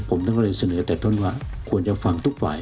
ผมต้องก็เลยเสนอแต่ต้นว่าควรจะฟังทุกฝ่าย